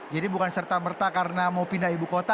jadi bukan serta merta karena mau pindah ibu kota